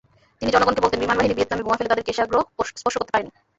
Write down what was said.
তিনি জনগণকে বলতেন, বিমানবাহিনী ভিয়েতনামে বোমা ফেলে তাদের কেশাগ্রও স্পর্শ করতে পারেনি।